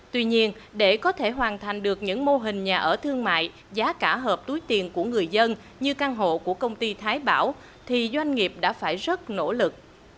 tuy nhiên để có thể hoàn thành được những mô hình nhà ở thương mại giá cả hợp túi tiền của người dân như căn hộ của công ty thái bảo thì doanh nghiệp đã phải rất nỗ lực